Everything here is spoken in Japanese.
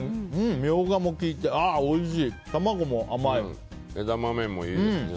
ミョウガも効いて枝豆もいいですね。